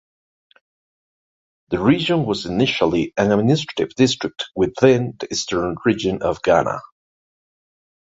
The region was initially an administrative district within the Eastern Region of Ghana.